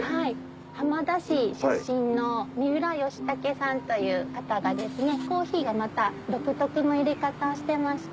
浜田市出身の三浦義武さんという方がコーヒーを独特の入れ方してまして。